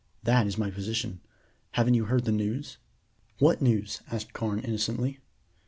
That is my position. Haven't you heard the news?" "What news?" asked Carne innocently.